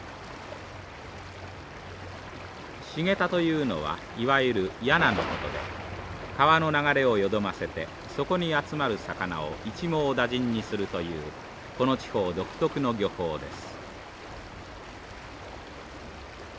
シゲタというのはいわゆるやなのことで川の流れをよどませてそこに集まる魚を一網打尽にするというこの地方独特の漁法です。